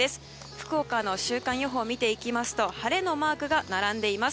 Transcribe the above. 福岡の週間予報を見ていきますと晴れのマークが並んでいます。